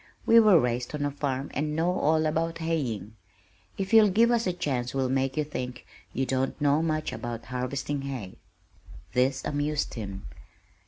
We were raised on a farm, and know all about haying. If you'll give us a chance we'll make you think you don't know much about harvesting hay." This amused him.